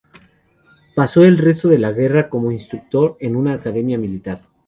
Pasó el resto de la guerra como instructor en una academia militar.